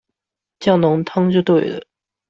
叫濃湯就對了